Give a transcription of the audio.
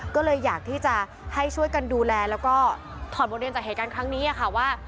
ก็เลยอยากที่จะให้ช่วยกันดูแลแล้วก็ถอดบทเรียนจากเหตุการณ์ครั้งนี้ค่ะว่า